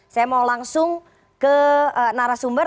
saya mau langsung ke narasumber